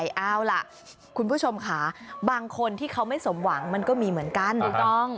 เอาล่ะคุณผู้ชมค่ะบางคนที่เขาไม่สมหวังมันก็มีเหมือนกันถูกต้อง